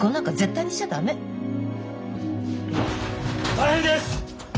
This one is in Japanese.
大変です！